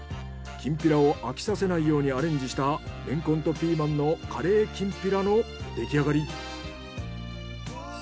きんぴらを飽きさせないようにアレンジしたレンコンとピーマンのカレーきんぴらの出来上がり。